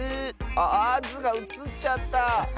ああっ「ズ」がうつっちゃった。